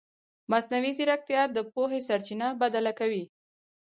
مصنوعي ځیرکتیا د پوهې سرچینه بدله کوي.